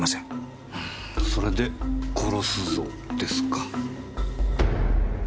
うんそれで「殺すぞ」ですか。